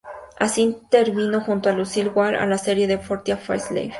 Así, intervino junto a Lucille Wall en la serie "Portia Faces Life".